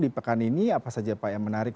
di pekan ini apa saja pak yang menarik